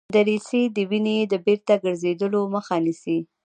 دریڅې د وینې د بیرته ګرځیدلو مخه نیسي.